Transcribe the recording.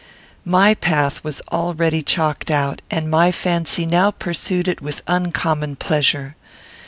My path was already chalked out, and my fancy now pursued it with uncommon pleasure.